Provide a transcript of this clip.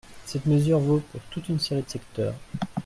Cette mesure vaut pour toute une série de secteurs.